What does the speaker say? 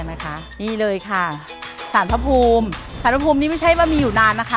นี่ไม่ใช่ว่ามีอยู่นานนะคะ